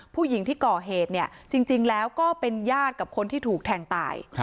ผู้หญิงที่ก่อเหตุเนี่ยจริงแล้วก็เป็นญาติกับคนที่ถูกแทงตาย